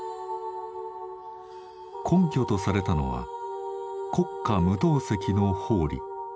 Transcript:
根拠とされたのは「国家無答責の法理」。